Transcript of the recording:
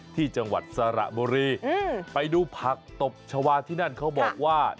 จังหวัดสระบุรีไปดูผักตบชาวาที่นั่นเขาบอกว่า